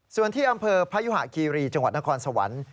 ส่วนที่อำเภอพยุหะคีรีจังหวัดนครสวรรค์